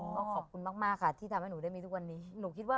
ก็ขอบคุณมากค่ะที่ทำให้หนูได้มีทุกวันนี้